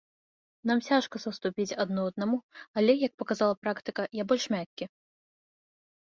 Нам цяжка саступіць адно аднаму, але, як паказала практыка, я больш мяккі.